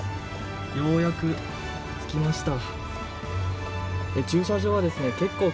ようやく着きました。